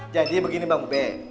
jadi begini pak bube